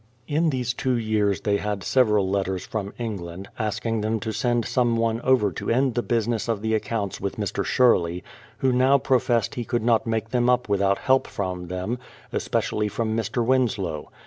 In these two years they had several letters from England, asking them to send some one over to end the business of the accounts with Mr. Sherley, who now professed he could not make them up without help from them, especially from Mr. Winslow.